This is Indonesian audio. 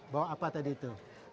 bawa apa tadi itu